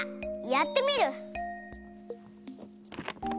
やってみる！